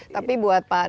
tapi buat pak darman